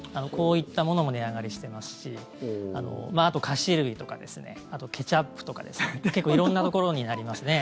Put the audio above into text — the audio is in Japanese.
こういったものも値上がりしてますしあと菓子類とかケチャップとか結構、色んなところになります。